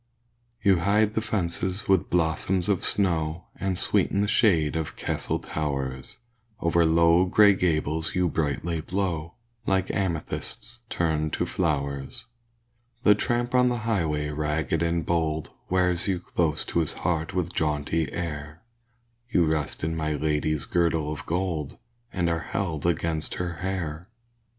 You hide the fences with blossoms of snow, And sweeten the shade of castle towers; Over low, grey gables you brightly blow, Like amethysts turned to flowers. The tramp on the highway ragged and bold Wears you close to his heart with jaunty air; You rest in my lady's girdle of gold, And are held against her hair.